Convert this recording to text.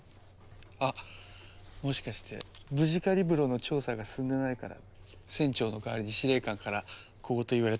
あもしかしてムジカリブロの調査が進んでないから船長の代わりに司令官から小言言われてたりして。